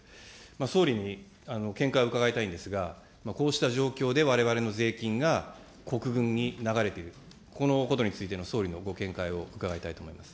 総理に見解を伺いたいんですが、こうした状況でわれわれの税金が国軍に流れている、このことについての総理のご見解を伺いたいと思います。